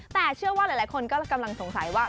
แต่เชื่อว่าหลายคนก็กำลังสงสัยว่า